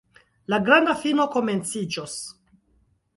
La granda fino komenciĝos.